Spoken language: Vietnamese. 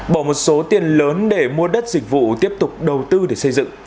bỏ một số tiền lớn để mua đất dịch vụ tiếp tục đầu tư để xây dựng